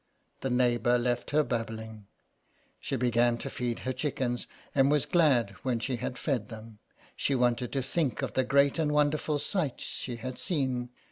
The neighbour left her babbling. She began to feed her chickens, and was glad when she had fed them. She wanted to think of the great and wonderful sights she had seen.